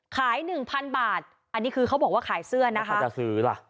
หนึ่งพันบาทอันนี้คือเขาบอกว่าขายเสื้อนะคะจะซื้อล่ะ